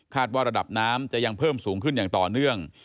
ว่าระดับน้ำจะยังเพิ่มสูงขึ้นอย่างต่อเนื่อง